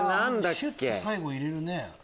シュっと最後入れるね。